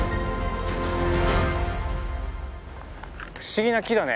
不思議な木だね。